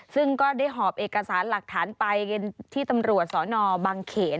ซึ่งก็ได้หอบเอกสารหลักฐานไปกันที่ตำรวจสนบังเขน